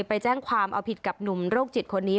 ไปแจ้งความเอาผิดกับหนุ่มโรคจิตคนนี้